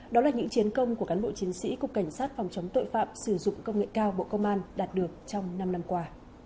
đó là những chiến công của cán bộ chiến sĩ cục cảnh sát phòng chống tội phạm sử dụng công nghệ cao bộ công an đạt được trong năm năm qua